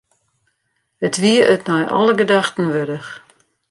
It wie it nei alle gedachten wurdich.